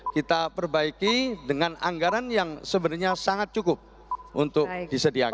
kita perbaiki dengan anggaran yang sebenarnya sangat cukup untuk disediakan